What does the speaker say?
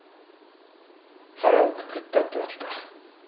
腹をくくったってわけか。